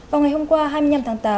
vào ngày hôm qua hai mươi năm tháng tám